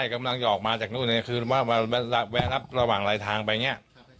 ใช่กำลังจะออกมาจากนู้นในคืนว่าแวะนับระหว่างหลายทางไป